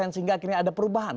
sehingga akhirnya ada perubahan